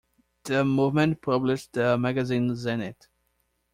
The movement published the magazine "Zenit".